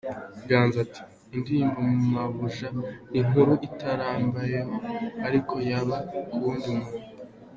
Ganza ati “ Indirimbo ‘Mabuja’ ni inkuru itarambayeho ariko yaba ku wundi muntu.